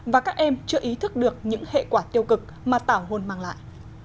và các em chưa ý thức được những hệ quả tiêu cực mà tảo hôn mang lại